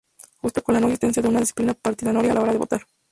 Junto con la no existencia de una disciplina partidaria a la hora de votar.